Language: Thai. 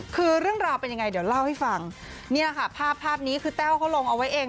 คือเรื่องราวเป็นยังไงเดี๋ยวเล่าให้ฟังนี่แหละค่ะภาพภาพนี้คือแต้วเขาลงเอาไว้เอง